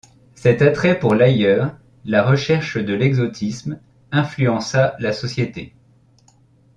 Cet attrait pour l'ailleurs, la recherche de l'exotisme, influença la société.